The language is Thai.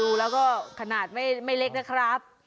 ดูแล้วก็ขนาดไม่เล็กนะครับ